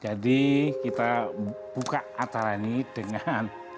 jadi kita buka ataran ini dengan